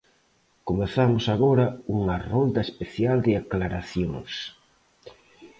Comezamos agora unha rolda especial de aclaracións.